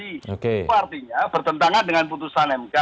itu artinya bertentangan dengan putusan mk